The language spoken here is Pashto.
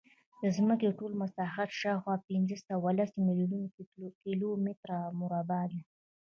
د ځمکې ټول مساحت شاوخوا پینځهسوهلس میلیونه کیلومتره مربع دی.